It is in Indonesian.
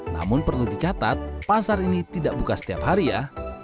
namun perlu dicatat pasar ini tidak buka setiap hari ya